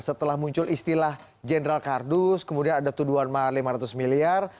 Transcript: setelah muncul istilah general kardus kemudian ada tuduhan mahar lima ratus miliar